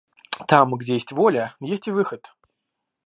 Там, где есть воля, есть и выход.